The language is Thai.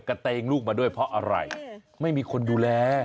เตงลูกมาด้วยเพราะอะไรไม่มีคนดูแล